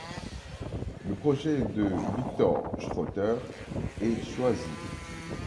Le projet de Viktor Schröter est choisi.